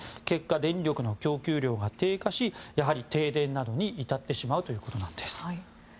結果、電力の供給量が低下し停電などに至ってしまうということです。